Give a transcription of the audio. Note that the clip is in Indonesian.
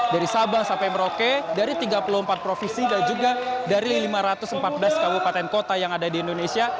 dari sabang sampai merauke dari tiga puluh empat provinsi dan juga dari lima ratus empat belas kabupaten kota yang ada di indonesia